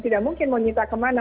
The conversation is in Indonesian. tidak mungkin mau minta kemana